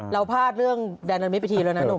เราพลาดเรื่องแดนนามิไปทีแล้วนะหนุ่ม